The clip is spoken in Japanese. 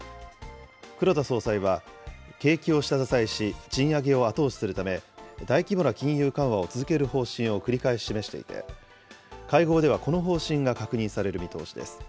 黒田総裁は、景気を下支えし、賃上げを後押しするため、大規模な金融緩和を続ける方針を繰り返し示していて、会合ではこの方針が確認される見通しです。